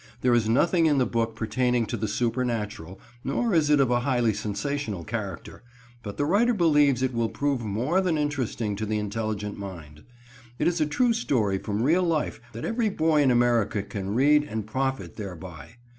There is nothing in the book pertaining to the supernatural, nor is it of a highly sensational character, but the writer believes it will prove more than interesting to the intelligent mind. It is a true story from real life that every boy in America can read and profit thereby.